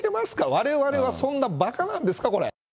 われわれはそんなばかなんですか